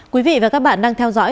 quý vị và các bạn đang theo dõi